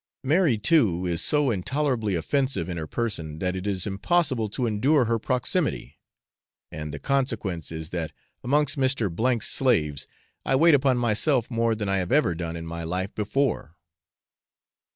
Mary, too, is so intolerably offensive in her person that it is impossible to endure her proximity, and the consequence is that, amongst Mr. 's slaves, I wait upon myself more than I have ever done in my life before.